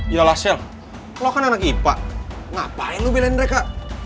iyalah sel lo kan anak ipa ngapain lu belain mereka